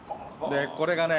これがね